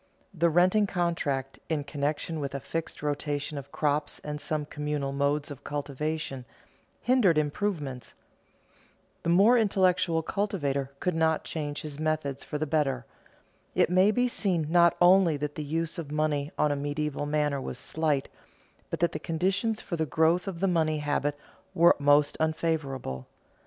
The renting contract, in connection with a fixed rotation of crops and some communal modes of cultivation, hindered improvements. The more intelligent cultivator could not change his methods for the better. It may be seen not only that the use of money on a medieval manor was slight, but that the conditions for the growth of the money habit were most unfavorable.